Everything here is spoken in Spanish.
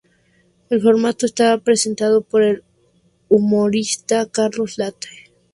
El formato está presentado por el humorista Carlos Latre.